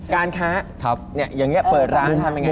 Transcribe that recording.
การค้าครับเนี่ยอย่างเงี้ยเปิดร้านทำยังไง